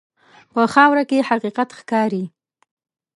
په خاوره کې حقیقت ښکاري.